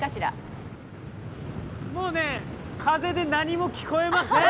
もうね風で何も聞こえません！